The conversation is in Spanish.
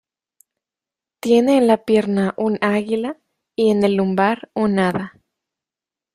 Tiene en la pierna un águila, y en el lumbar un hada.